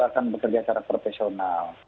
akan bekerja secara profesional